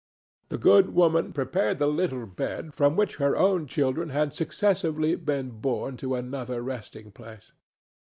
The good woman prepared the little bed from which her own children had successively been borne to another resting place.